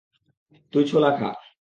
তুই ছোলা খা।